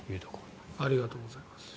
ありがとうございます。